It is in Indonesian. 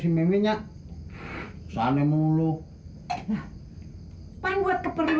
padi siang minyak rumah si mimin lagi mau ngapain sih kreasi miminnya